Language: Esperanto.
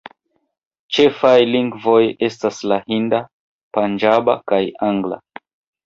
Ĉefaj lingvoj estas la hinda, panĝaba kaj angla.